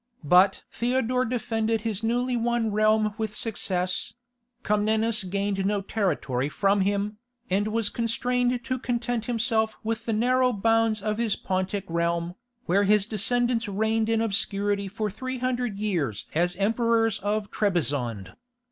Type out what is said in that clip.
But Theodore defended his newly won realm with success; Comnenus gained no territory from him, and was constrained to content himself with the narrow bounds of his Pontic realm, where his descendants reigned in obscurity for three hundred years as emperors of Trebizond.